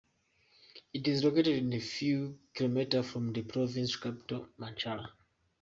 It is located a few kilometers from the provincial capital, Machala.